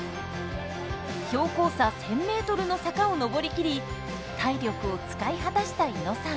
標高差１，０００ｍの坂を上りきり体力を使い果たした猪野さん。